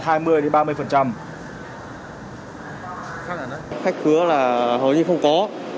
khách khứa là hầu như không có